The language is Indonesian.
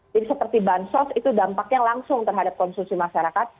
jadi seperti ban sos itu dampaknya langsung terhadap konsumsi masyarakat